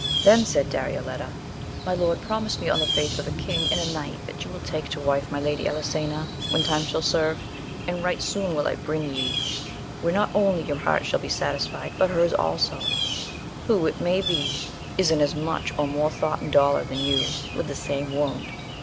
Then said Darioleta, My lord, promise me on the faith of a king and a knight, that you will take to wife my Lady Elisena, when time shall serve, and right soon mil I bring ye, where not only your heart shall be satisfied, but hers also, who, it may be, is in as much or more thought and doloax than you, with the same wound.